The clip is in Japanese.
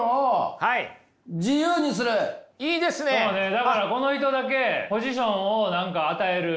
だからこの人だけポジションを何か与える。